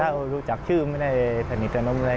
ถ้ารู้จักชื่อไม่ได้สนิทกับอะไรนะครับ